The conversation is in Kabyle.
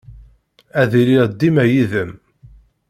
Ad iliɣ dima yid-m.